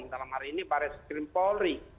dalam hari ini para skrimpolri